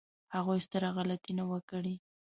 هغوی ستره غلطي نه وه کړې.